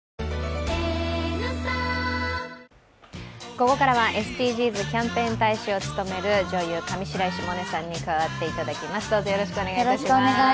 ここからはＳＤＧｓキャンペーン大使を務める女優・上白石萌音さんに加わっていただきます。